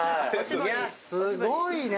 いやすごいね！